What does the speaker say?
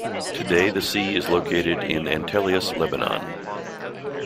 Today the see is located in Antelias, Lebanon.